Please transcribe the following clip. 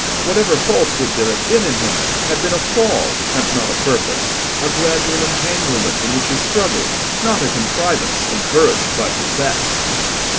Whatever falsehood there had been in him, had been a fall and not a purpose; a gradual entanglement in which he struggled, not a contrivance encouraged by success.